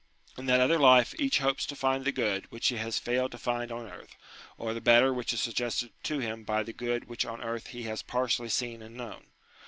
In that other life each hopes to find the good which he has failed to find on earth, or the better which is suggested to him by the good which on earth he has partially seen and known.